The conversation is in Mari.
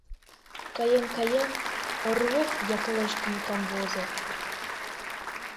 Каен-каен, Орлоп яклештын камвозо.